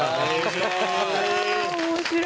面白い！